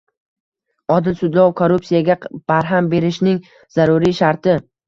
Odil sudlov – korrupsiyaga barham berishning zaruriy sharti